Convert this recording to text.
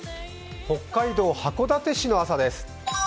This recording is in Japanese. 北海道函館市の朝です。